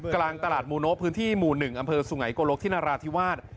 กลางตลาดมูโนะพื้นที่หมู่๑อำเภอสุไงโกลกที่นราธิวาส